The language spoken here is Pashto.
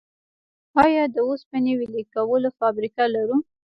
آیا د وسپنې ویلې کولو فابریکه لرو؟